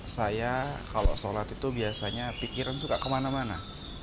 saya kalau sholat itu biasanya pikiran suka kemana mana